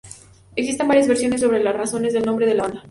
Existen varias versiones sobre las razones del nombre de la banda.